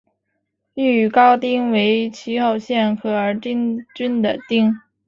御嵩町为岐阜县可儿郡的町。